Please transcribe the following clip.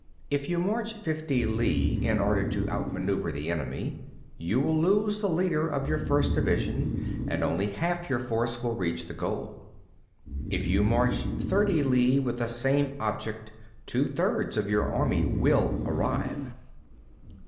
9. If you march fifty li in order to outmanœuver the enemy, you will lose the leader of your first division, and only half your force will reach the goal. 10. If you march thirty li with the same object, two thirds of your army will arrive.